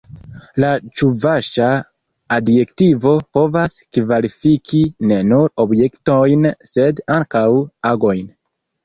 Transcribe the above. La ĉuvaŝa adjektivo povas kvalifiki ne nur objektojn sed ankaŭ agojn.